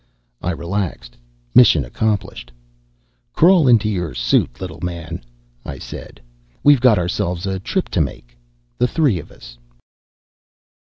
I relaxed. Mission accomplished. "Crawl into your suit, little man," I said. "We've got ourselves a trip to make, the three of us."